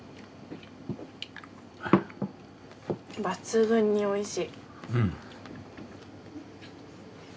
抜群においしい。